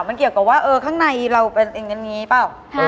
มันเกี่ยวกับว่าเออข้างในเราเป็นอย่างนี้เปล่า